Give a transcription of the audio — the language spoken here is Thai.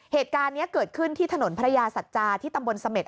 เหตุการณ์นี้เกิดขึ้นที่ถนนพระยาสัจจาที่ตำบลเสม็ด